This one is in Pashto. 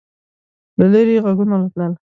له لیرې غږونه راتلل.